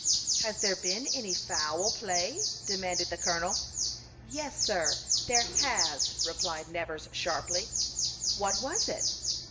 "Has there been any foul play?" demanded the colonel. "Yes, sir, there has," replied Nevers, sharply. "What was it?"